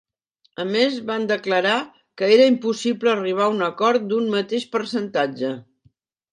A més, van declarar que era impossible arribar a un acord d'un mateix percentatge.